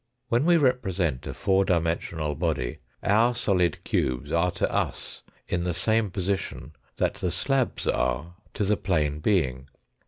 When we represent a four dimensional body our solid cubes are to us in the same position that the slabs are to the plane being.